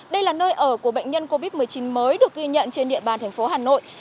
đây là nơi ở của bệnh nhân covid một mươi chín mới được ghi nhận trên địa bàn thành phố hà nội